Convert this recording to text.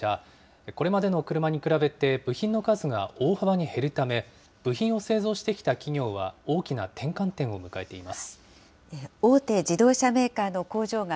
これまでの車に比べて部品の数が大幅に減るため、部品を製造してきた企業は大きな転換点を迎えています。